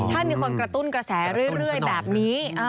ถ้ามีคนกระตุ้นกระแสเรื่อยแบบนี้